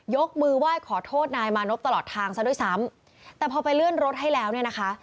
ยกมือไหว้ขอโทษนายมานพตลอดทางซะด้วยซ้ำแต่พอไปเลื่อนรถให้แล้วเนี่ยนะคะ